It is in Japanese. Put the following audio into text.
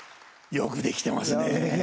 よく出来てますね。